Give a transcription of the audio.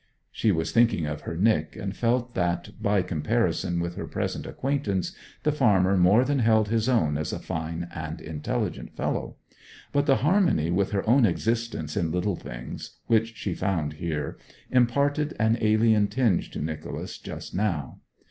She was thinking of her Nic, and felt that, by comparison with her present acquaintance, the farmer more than held his own as a fine and intelligent fellow; but the harmony with her own existence in little things, which she found here, imparted an alien tinge to Nicholas just now.